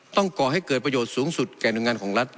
ก่อให้เกิดประโยชน์สูงสุดแก่หน่วยงานของรัฐ